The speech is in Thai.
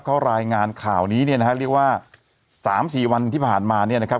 เขารายงานข่าวนี้นะครับเรียกว่า๓๔วันที่ผ่านมานะครับ